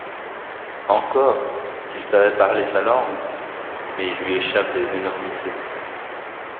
Encore s’il savait parler sa langue !… mais il lui échappe des énormités…